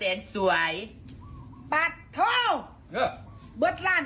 แม่ขอท่าเทบานไปตลาด